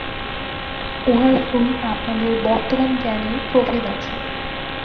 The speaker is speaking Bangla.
উহার সহিত আপনাদের বর্তমান জ্ঞানের প্রভেদ আছে।